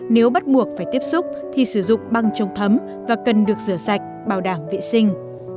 nếu bắt buộc phải tiếp xúc thì sử dụng băng trông thấm và cần được rửa sạch bảo đảm vệ sinh